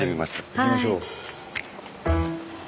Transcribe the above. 行きましょう。